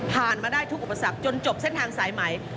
มาได้ทุกอุปสรรคจนจบเส้นทางสายใหม่